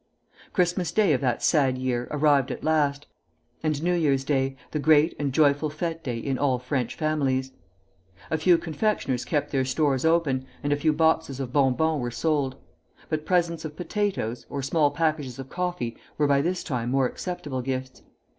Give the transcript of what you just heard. Christmas Day of that sad year arrived at last, and New Year's Day, the great and joyful fête day in all French families. A few confectioners kept their stores open, and a few boxes of bonbons were sold; but presents of potatoes, or small packages of coffee, were by this time more acceptable gifts.